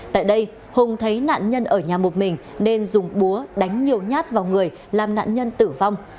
tại đây hùng thấy nạn nhân ở nhà một mình nên dùng búa đánh nhiều nhát vào người làm nạn nhân tử vong